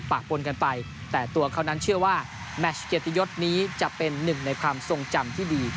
ปนกันไปแต่ตัวเขานั้นเชื่อว่าแมชเกียรติยศนี้จะเป็นหนึ่งในความทรงจำที่ดี